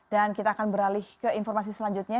dan kita akan beralih ke informasi selanjutnya